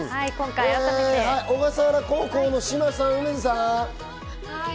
小笠原高校の嶋さん、梅津さん。